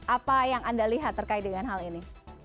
apa yang anda lihat terkait dengan hal ini